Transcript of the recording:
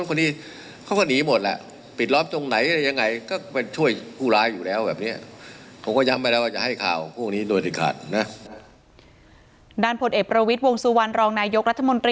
ไม่รู้ว่าจะเป็นตำรวจแบบนี้ก็ยังไม่รู้เดี๋ยวรอดูเดี๋ยวเขาร่ายงาน